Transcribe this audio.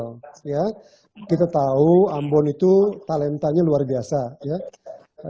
kita tahu ambon itu talentanya luar biasa kita tahu ambon itu talentanya luar biasa kita tahu ambon itu talentanya luar biasa